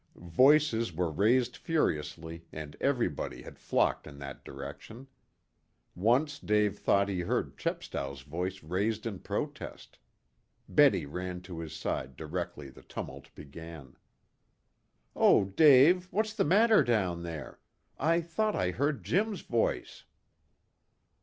Voices were raised furiously, and everybody had flocked in that direction. Once Dave thought he heard Chepstow's voice raised in protest. Betty ran to his side directly the tumult began. "Oh, Dave, what's the matter down there? I thought I heard Jim's voice?"